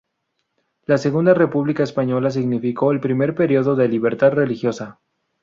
La Segunda República Española significó el primer periodo de libertad religiosa.